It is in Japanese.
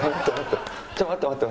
ちょっと待って待って。